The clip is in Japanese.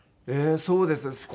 そうですね